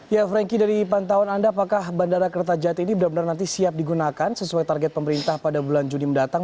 ya franky dari pantauan anda apakah bandara kertajati ini benar benar nanti siap digunakan sesuai target pemerintah pada bulan juni mendatang